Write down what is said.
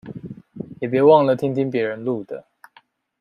也別忘了聽聽別人錄的